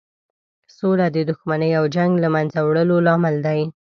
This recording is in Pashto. سوله د دښمنۍ او جنګ له مینځه وړلو لامل دی.